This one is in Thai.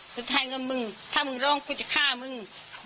ต้องให้เงินมึงถ้ามึงร้องกูจะฆ่ามึง